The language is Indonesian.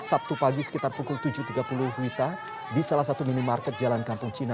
sabtu pagi sekitar pukul tujuh tiga puluh wita di salah satu minimarket jalan kampung cina